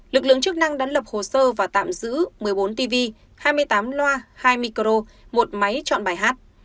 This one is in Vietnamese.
lực lượng chức năng đã lập hồ sơ và tạm giữ một mươi bốn tv hai mươi tám loa hai micro một máy chọn bài hát